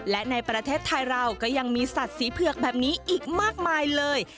และในประเทศไทยเราก็ยังมีสัตว์สีเผือกแบบนี้อีกมากมายเลย